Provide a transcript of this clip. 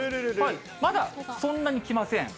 まだそんなに来ません。